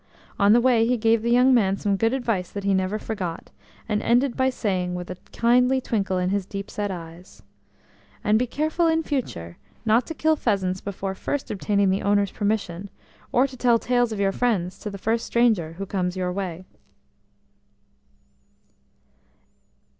On the way he gave the young man some good advice that he never forgot, and ended by saying, with a kindly twinkle in his deep set eyes: "And be careful in future not to kill pheasants before first obtaining the owner's permission, or to tell tales of your friends to the first stranger who comes your way."